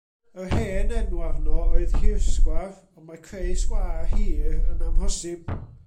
Yr hen enw arno oedd hirsgwar, ond mae creu sgwâr hir yn amhosib!